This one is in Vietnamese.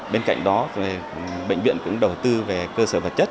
bên cạnh đó bệnh viện cũng đầu tư về cơ sở vật chất